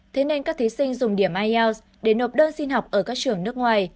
thế nên các thí sinh dùng điểm ielts để nộp đơn xin học ở các trường nước ngoài